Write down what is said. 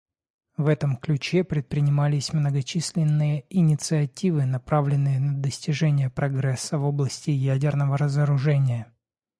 В этом ключе предпринимались многочисленные инициативы, направленные на достижение прогресса в области ядерного разоружения.